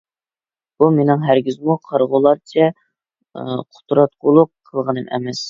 بۇ مىنىڭ ھەرگىزمۇ قارىغۇلارچە قۇتراتقۇلۇق قىلغىنىم ئەمەس.